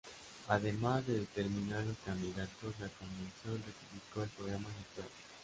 Además de determinar los candidatos, la convención ratificó el programa electoral.